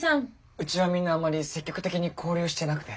うちはみんなあまり積極的に交流してなくて。